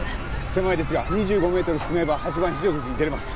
狭いですが２５メートル進めば８番非常口に出れます。